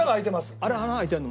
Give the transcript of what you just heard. あれ穴開いてるの？